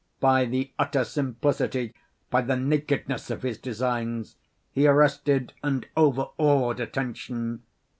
By the utter simplicity, by the nakedness of his designs, he arrested and overawed attention.